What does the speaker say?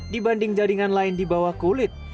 dibanding jaringan lain di bawah kulit